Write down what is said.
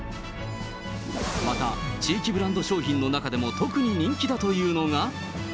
また地域ブランド商品の中でも特に人気だというのが。